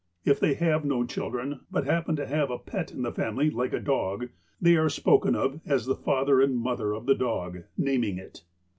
If they have no children, but happen to have a pet in the family, like a dog, they are spoken of as the father and mother of the dog, naming it.